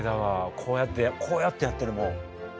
こうやってこうやってやってるもん。